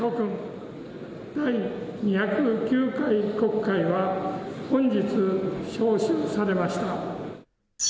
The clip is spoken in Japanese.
諸君、第２０９回国会は、本日召集されました。